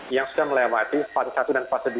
yang sudah melewati fase satu dan fase dua